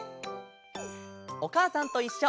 「おかあさんといっしょ」